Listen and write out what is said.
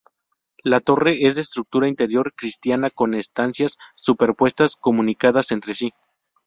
La torre es de estructura interior cristiana con estancias superpuestas comunicadas entre sí.